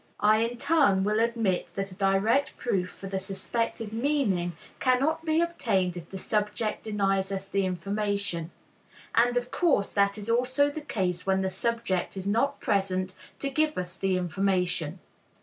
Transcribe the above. I in turn will admit that a direct proof for the suspected meaning cannot be obtained if the subject denies us the information; and, of course, that is also the case when the subject is not present to give us the information.